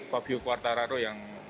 fabio quartararo yang